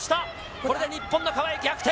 これで日本の川井、逆転。